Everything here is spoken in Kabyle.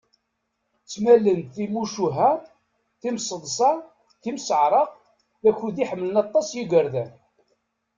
Ttmalen-d timucuha, timseḍsa, timseɛraq, d akud iḥemmlen aṭas yigerdan.